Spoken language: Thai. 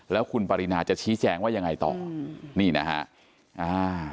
แล้วคุณปรินาจะชี้แจงว่ายังไงต่อนี่นะฮะอ่า